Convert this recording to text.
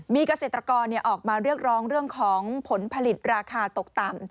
มีเกษตรกรออกมาเรียกร้องเรื่องของผลผลิตราคาตกต่ำ